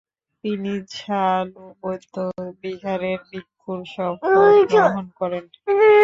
তিনি ঝ্বা-লু বৌদ্ধবিহারে ভিক্ষুর শপথ গ্রহণ করেন।